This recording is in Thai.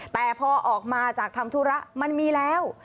แต่พอออกมาจากทำธุระมันมีแล้ว